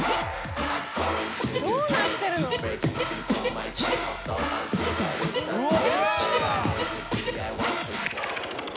どうなってるの？うわ！